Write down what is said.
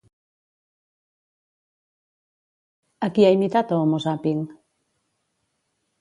A qui ha imitat a Homo Zapping?